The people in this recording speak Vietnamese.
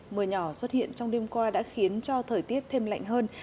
mưa nhỏ xuất hiện trong đêm qua đã khiến cho thời tiết thêm lạnh hơn